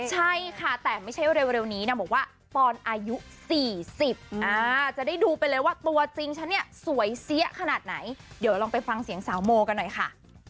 ใช่ค่ะแต่ไม่ใช่เร็วนี้นางบอกว่าปอนอายุ๔๐จะได้ดูไปเลยว่าตัวจริงฉันเนี่ยสวยเสี้ยขนาดไหนเดี๋ยวลองไปฟังเสียงสาวโมกันหน่อยค่ะ